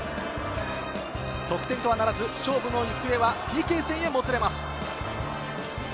得点とはならず、勝負の行方はＰＫ戦にもつれます。